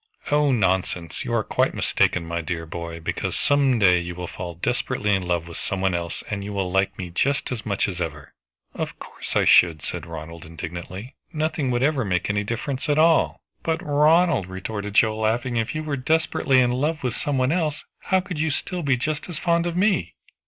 "Oh, nonsense! You are quite mistaken, my dear boy, because some day you will fall desperately in love with some one else, and you will like me just as much as ever" "Of course I should," said Ronald indignantly. "Nothing would ever make any difference at all!" "But, Ronald," retorted Joe laughing, "if you were desperately in love with some one else, how could you still be just as fond of me?"